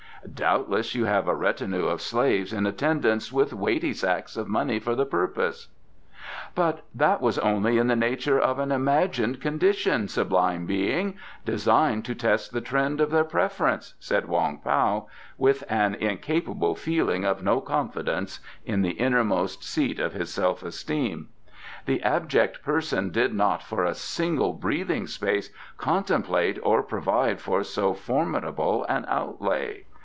Doubtless you have a retinue of slaves in attendance with weighty sacks of money for the purpose?" "But that was only in the nature of an imagined condition, Sublime Being, designed to test the trend of their preference," said Wong Pao, with an incapable feeling of no confidence in the innermost seat of his self esteem. "This abject person did not for a single breathing space contemplate or provide for so formidable an outlay."